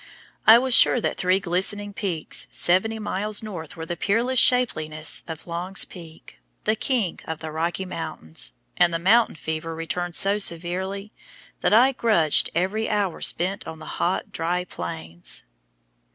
I was sure that three glistening peaks seventy miles north were the peerless shapeliness of Long's Peak, the king of the Rocky Mountains, and the "mountain fever" returned so severely that I grudged every hour spent on the dry, hot plains.